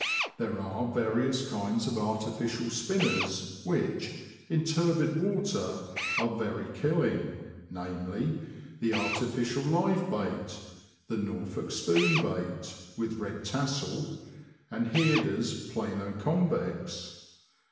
There are various kinds of artificial spinners which, in turbid water, are very killing, viz. : The artificial live bait, the Norfolk spoon bait (with red tassel), and Hearder's plano convex.